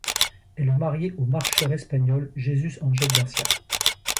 Elle est mariée au marcheur espagnol Jesús Ángel García.